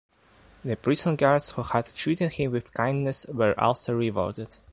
The prison guards who had treated him with kindness were also rewarded.